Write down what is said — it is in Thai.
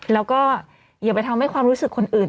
แล้วก็อย่าไปทำให้ความรู้สึกคนอื่น